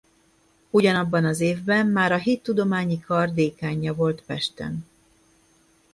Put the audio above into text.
Ugyanabban az évben már a hittudományi kar dékánja volt Pesten.